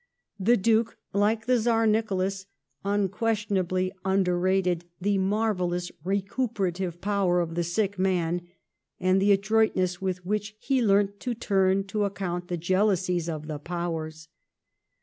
The Duke, like the Czar Nicholas, unquestionably underrated the marvellous recuperative power of the sick man, and the adroitness with which he leai'nt to turn to account the jealousies of the Powers.